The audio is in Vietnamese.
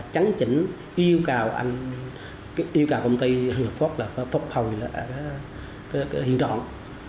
chẳng chỉnh yêu cầu công ty hưng lộc phát phục hồi hiện trọng